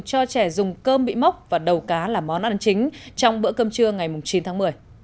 cho trẻ dùng cơm bị mốc và đầu cá là món ăn chính trong bữa cơm trưa ngày chín tháng một mươi